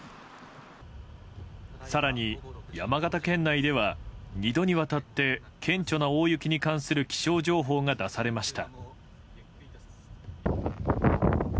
更に山形県内では２度にわたって顕著な大雪に関する気象情報が出されました。